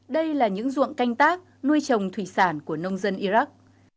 đây là những ruộng canh tác nuôi trồng thủy sản của nông dân iraq